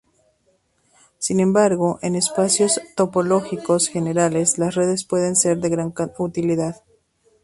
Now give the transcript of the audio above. Sin embargo, en espacios topológicos generales, las redes pueden ser de gran utilidad.